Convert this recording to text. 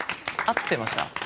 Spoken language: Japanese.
合ってました。